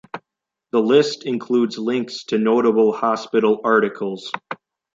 The list includes links to notable hospital articles.